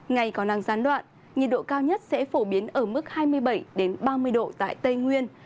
ngày có năng gián đoạn nhiệt độ cao nhất sẽ phổ biến ở mức hai mươi bảy ba mươi độ tại tây nguyên